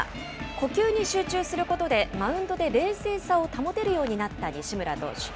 呼吸に集中することで、マウンドで冷静さを保てるようになった西村投手。